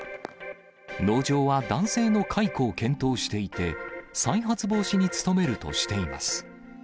農場は男性の解雇を検討していて、再発防止に努めるとしています。